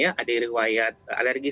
ada riwayat alergi